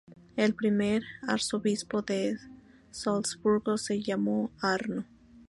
El primer arzobispo de Salzburgo se llamó Arno.